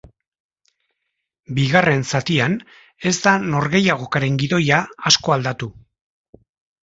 Bigarren zatian ez da norgehiagokaren gidoia asko aldatu.